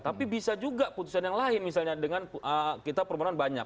tapi bisa juga putusan yang lain misalnya dengan kita permohonan banyak